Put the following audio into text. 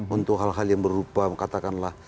untuk hal hal yang berupa katakanlah